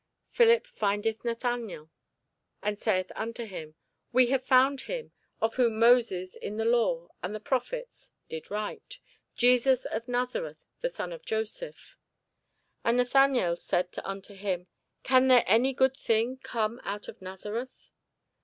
Philip findeth Nathanael, and saith unto him, We have found him, of whom Moses in the law, and the prophets, did write, Jesus of Nazareth, the son of Joseph. And Nathanael said unto him, Can there any good thing come out of Nazareth?